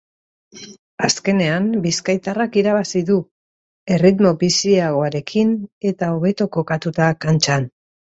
Azkenean, bizkaitarrak irabazi du, erritmo biziagoarekin eta hobeto kokatuta kantxan.